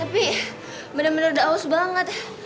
tapi bener bener udah haus banget kita ke kantin aja yuk